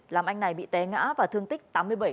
làm anh này bị té ngã và thương tích tám mươi bảy